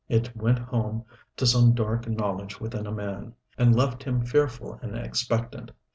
It went home to some dark knowledge within a man, and left him fearful and expectant.